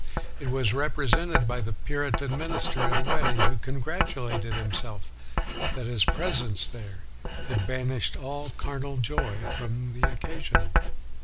It was represented by the Puritan minister at a wedding who congratulated himself that his presence there had banished all 302 WESLEY carnal joy from the occasion.